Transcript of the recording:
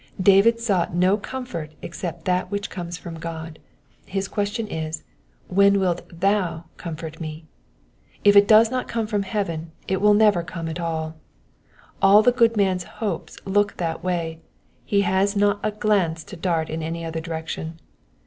David sought no comfort except that which comes from God ; his question is, *^ When wilt thou comfort me ?^' If help does not come from heaven it will never come at all : all the good man^s hopes look that way, he has not a glance to dart in any other direction.